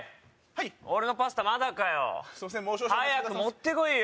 はい俺のパスタまだかよすいません